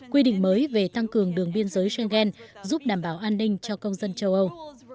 quy định mới về tăng cường đường biên giới schengen giúp đảm bảo an ninh cho công dân châu âu